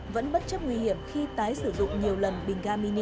vẫn bất chấp nguy hiểm khi tái sử dụng nhiều lần bình ga mini